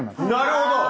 なるほど。